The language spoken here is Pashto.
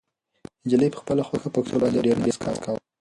نجلۍ په خپله خوږه پښتو لهجه باندې ډېر ناز کاوه.